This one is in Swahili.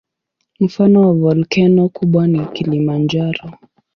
Mfano wa volkeno kubwa ni Kilimanjaro.